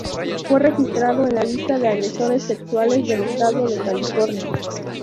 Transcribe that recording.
Fue registrado en la lista de agresores sexuales del Estado de California.